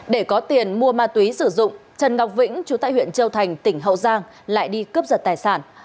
để có tiền mua ma túy sử dụng trần ngọc vĩnh chú tại huyện châu thành tỉnh hậu giang lại đi cướp giật tài sản